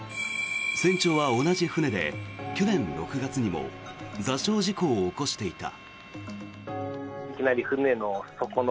船長は同じ船で去年６月にも座礁事故を起こしていた。